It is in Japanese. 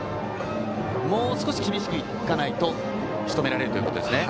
もう少し厳しくいかないとしとめられるということですね。